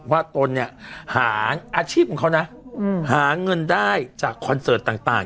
ว่าโตลหาอาชีพของเขาหาเงินได้จากคอนเสิร์ตต่าง